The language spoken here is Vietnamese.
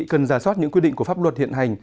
cần giả soát những quy định của pháp luật hiện hành